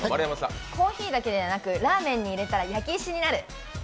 コーヒーだけでなくラーメンに入れたら焼き石になる。